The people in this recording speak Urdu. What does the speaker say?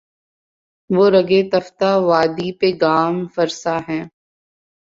وہ ریگِ تفتۂ وادی پہ گام فرسا ہے